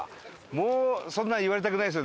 もうそんなの言われたくないですよね